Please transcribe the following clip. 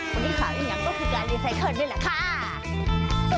วันนี้ขายอีหนาก็วิ่งการรีไซเคิลนี่แหละค่ะ